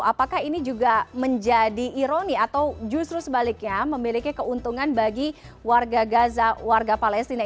apakah ini juga menjadi ironi atau justru sebaliknya memiliki keuntungan bagi warga gaza warga palestina